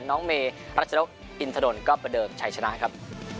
น้องเมรัชนกอินทนนท์ก็ประเดิมชัยชนะครับ